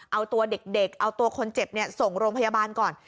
เอาตัวเด็กเอาตัวคนเจ็บส่งโรงพยาบาลก่อน